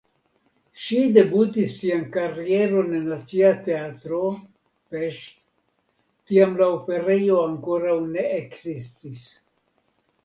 Ŝi debutis sian karieron en Nacia Teatro (Pest) (tiam la Operejo ankoraŭ ne ekzistis!).